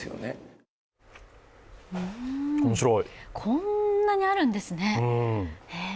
こんなにあるんですね。